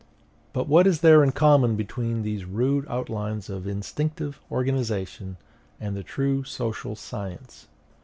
But what is there in common between these rude outlines of instinctive organization and the true social science?